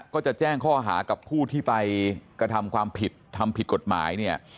ก็จะแจ้งข้อหากับผู้ที่ไปกระทำความผิดทำผิดกฎหมายเนี่ย